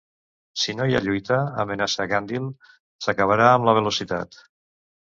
Si no hi ha lluita, amenaça Gandil, s"acabarà amb la velocitat.